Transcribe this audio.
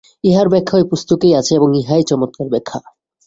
ইহার ব্যাখ্যা ঐ পুস্তকেই আছে এবং ইহাই চমৎকার ব্যাখ্যা।